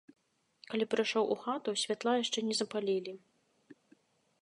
Калі прыйшоў у хату, святла яшчэ не запалілі.